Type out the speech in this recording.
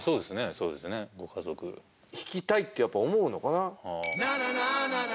そうですねご家族弾きたいってやっぱ思うのかな？